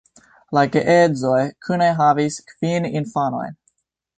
La geedzoj kune havis kvin infanojn.